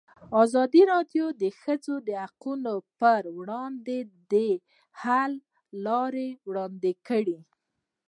ازادي راډیو د د ښځو حقونه پر وړاندې د حل لارې وړاندې کړي.